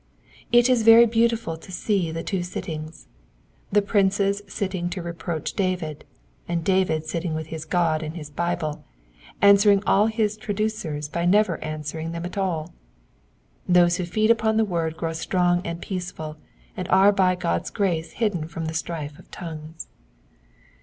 It is very beautiful to see the two sittings : the princes sitting to reproach David, and David sitting with his God and his Bible, answering his traducers by never answering them at all. Those who feed upon the word grow strong and peaceful, and are by God's grace hidden from the strife of tongues.